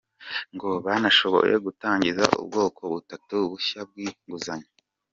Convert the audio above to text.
Ngo banashoboye gutangiza ubwoko butatu bushya bw’inguzanyo.